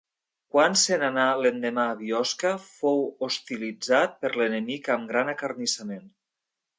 Quan se n'anà l'endemà a Biosca fou hostilitzat per l'enemic amb gran acarnissament.